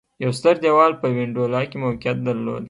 یو ستر دېوال په وینډولا کې موقعیت درلود